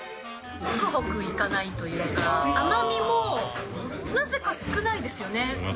ほくほくいかないというか、甘みもなぜか少ないですよね。